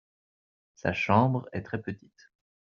Sa chambre est très petite.